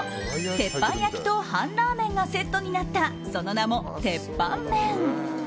鉄板焼きと半ラーメンがセットになったその名も、鉄板麺。